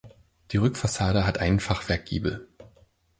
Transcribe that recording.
Die Rückfassade hat einen Fachwerkgiebel.